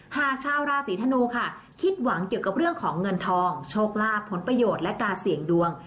หากชาวราศีธนูค่ะคิดหวังเกี่ยวกับเรื่องของเงินทองโชคลาภผลประโยชน์และการเสี่ยงดวง